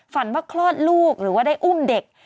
ฝันว่าคลอดลูกหรือว่าได้อุ้มเด็ก